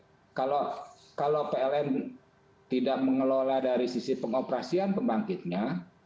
pembangunan maka kita tidak bisa mengelola dari sisi pengoperasian pembangunan jadi kalau kita tidak mengelola dari sisi pengoperasian pembangunan